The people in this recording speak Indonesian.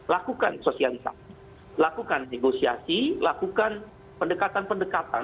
lakukan sosialisasi lakukan negosiasi lakukan pendekatan pendekatan